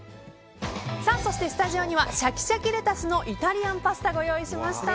そしてスタジオにはシャキシャキレタスのイタリアンパスタをご用意しました。